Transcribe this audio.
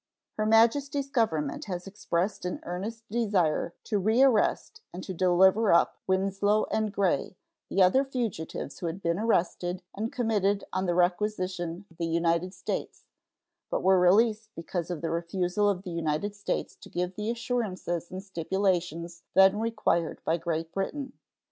Her Majesty's Government has expressed an earnest desire to rearrest and to deliver up Winslow and Gray, the other fugitives who had been arrested and committed on the requisition of the United States, but were released because of the refusal of the United States to give the assurances and stipulations then required by Great Britain.